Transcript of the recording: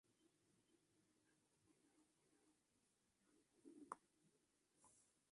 Todos ellos de dos plantas.